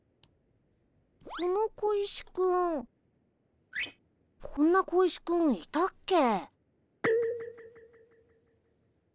この小石くんこんな小石くんいたっけ？